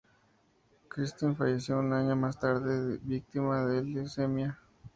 Christine falleció un año más tarde víctima de leucemia.